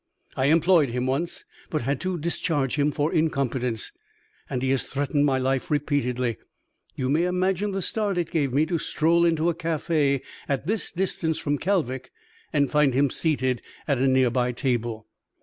I employed him once, but had to discharge him for incompetence, and he has threatened my life repeatedly. You may imagine the start it gave me to stroll into a cafe, at this distance from Kalvik, and find him seated at a near by table."